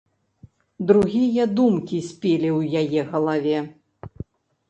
Другія думкі спелі ў яе галаве.